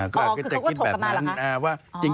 อ๋อคือเขาก็ถกกันมาเหรอคะ